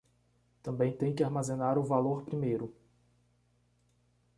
Também tem que armazenar o valor primeiro